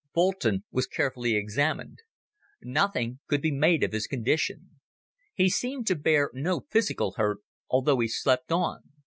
Boulton was carefully examined. Nothing could be made of his condition. He seemed to bear no physical hurt, although he slept on.